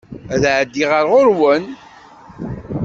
Ad d-ɛeddiɣ ar ɣuṛ-wen.